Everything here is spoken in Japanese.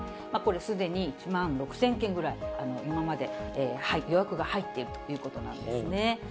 これ、すでに１万６０００件ぐらい、今まで、予約が入っているということなんですね。